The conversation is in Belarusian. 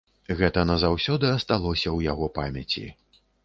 Гэта назаўсёды асталося ў яго памяці.